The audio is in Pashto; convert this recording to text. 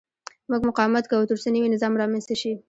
موږ مقاومت کوو ترڅو نوی نظام رامنځته شي.